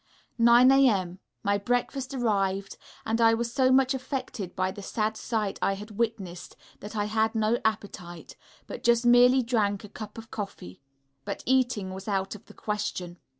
9 0 a.m., my breakfast arrived; and I was so much affected by the sad sight I had witnessed, that I had no appetite, but just merely drank a cup of coffee; but eating was out of the question.